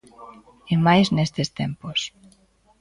E máis nestes tempos.